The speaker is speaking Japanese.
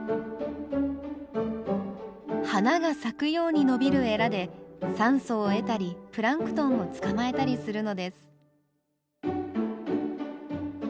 花が咲くように伸びるエラで酸素を得たりプランクトンを捕まえたりするのです。